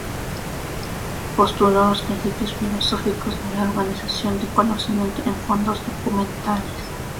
Postuló los principios filosóficos de la organización de conocimiento en fondos documentales.